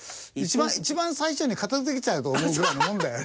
一番最初に片付けちゃおうと思うぐらいなもんだよね。